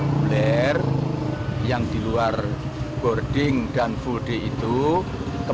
jadi ini sudah diterapkan